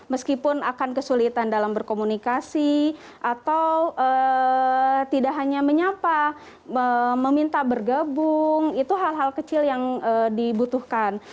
meskipun akan kesulitan dalam berkomunikasi atau tidak hanya menyapa meminta bergabung itu hal hal kecil yang dibutuhkan